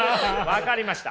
分かりました。